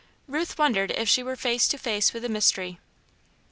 Ruth wondered if she were face to face with a mystery.